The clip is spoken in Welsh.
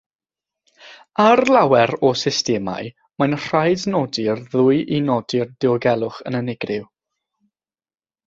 Ar lawer o systemau mae'n rhaid nodi'r ddwy i nodi'r diogelwch yn unigryw.